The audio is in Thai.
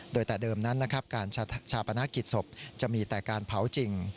โดยแต่เดิมนั้นนะครับการชาปนกิจศพจะมีแต่การเผาจริง